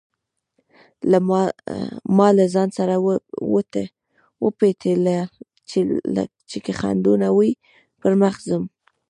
ما له ځانه سره وپتېيله چې که خنډونه وي پر مخ ځم.